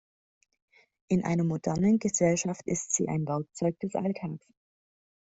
In einer modernen Gesellschaft ist sie ein Werkzeug des Alltags.